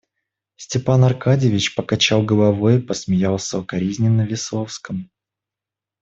Степан Аркадьич покачал головой и посмеялся укоризненно Весловскому.